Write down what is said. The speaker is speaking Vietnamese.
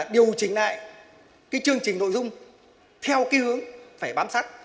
điều chỉnh lại chương trình nội dung theo hướng phải bám sát